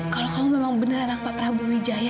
kalau kamu memang bener anak papa prabowo wijaya